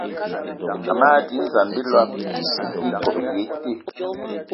Ama dínzan bilam íkob í yé í te